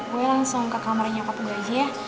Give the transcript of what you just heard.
gue langsung ke kamarnya nyokap gue aja ya